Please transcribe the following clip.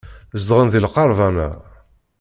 Zedɣen deg lqerban-a.